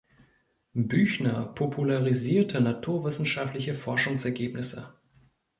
Büchner popularisierte naturwissenschaftliche Forschungsergebnisse.